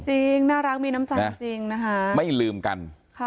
จริงน่ารักมีน้ำใจจริงนะคะไม่ลืมกัน